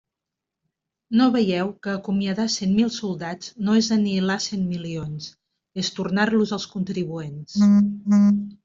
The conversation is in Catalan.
No veieu que acomiadar cent mil soldats no és anihilar cent milions, és tornar-los als contribuents.